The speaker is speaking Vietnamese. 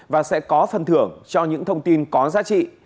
và sẽ có phần thưởng cho những thông tin có giá trị